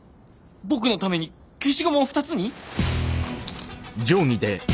僕のために消しゴムを２つに！？